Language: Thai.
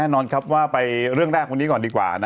นอกไปเรื่องแรกพวกนี้ก่อนดีกว่า